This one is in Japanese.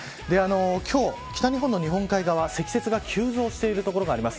今日、北日本の日本海側積雪が急増している所があります。